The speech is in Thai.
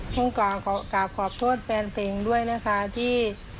ต้องกราบขอบโทษแฟนตัวเองด้วยนะคะที่